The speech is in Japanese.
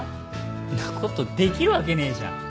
んなことできるわけねえじゃん